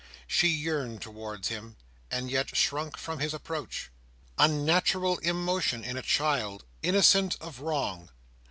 She yearned towards him, and yet shrunk from his approach. Unnatural emotion in a child, innocent of wrong!